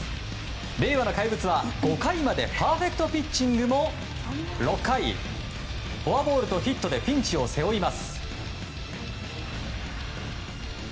令和の怪物は、５回までパーフェクトピッチングも６回フォアボールとヒットでピンチを背負います。